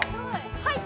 はい！